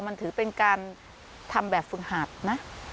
มันถือเป็นการทำแบบฝึกหัดนะ